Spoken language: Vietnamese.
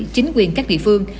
chính quyền các địa phương